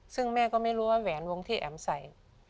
ซึ่งแม่ก็ไม่รู้ว่าแหวนวงที่แอ๋มใส่